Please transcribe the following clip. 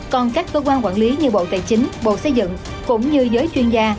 còn các cơ quan quản lý như bộ tài chính bộ xây dựng cũng như giới chuyên gia